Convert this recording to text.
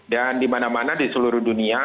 dan dimana mana di seluruh dunia